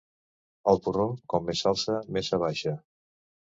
El porró, com més s'alça, més s'abaixa.